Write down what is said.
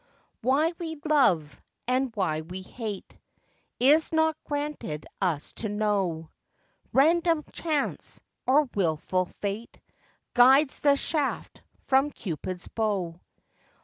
Why we love, and why we hate, Is not granted us to know: Random chance, or wilful fate, Guides the shaft from Cupid's bow.